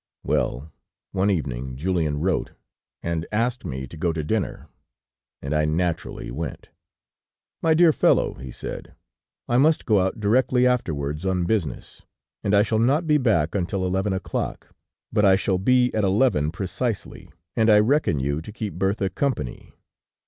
"Well, one evening Julien wrote and asked me to go to dinner, and I naturally went. "'My dear fellow,' he said, 'I must go out directly afterwards on business, and I shall not be back until eleven o'clock, but I shall be at eleven precisely, and I reckon you to keep Bertha company.'